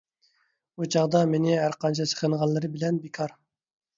ئۇ چاغدا مېنى ھەرقانچە سېغىنغانلىرى بىلەن بىكار.